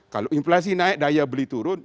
kalau inflasi naik daya beli turun